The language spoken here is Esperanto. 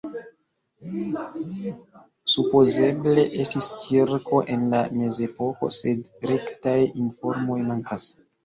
Supozeble estis kirko en la mezepoko, sed rektaj informoj mankas.